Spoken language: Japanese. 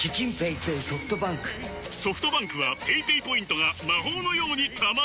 ソフトバンクはペイペイポイントが魔法のように貯まる！